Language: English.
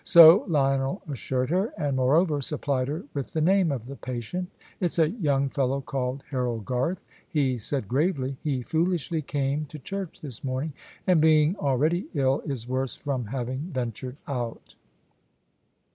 So Lionel assured her, and moreover supplied her with the name of the patient. "It's a young fellow called Harold Garth," he said gravely; "he foolishly came to church this morning, and, being already ill, is worse from having ventured out."